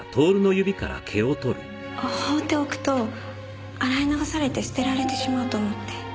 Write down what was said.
放っておくと洗い流されて捨てられてしまうと思って。